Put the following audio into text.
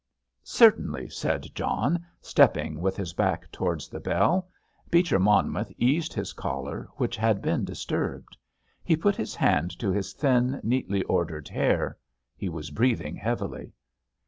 "Certainly," said John, stepping with his back towards the bell. Beecher Monmouth eased his collar, which had been disturbed. He put his hand to his thin, neatly ordered hair. He was breathing heavily.